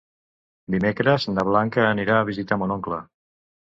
Dimecres na Blanca anirà a visitar mon oncle.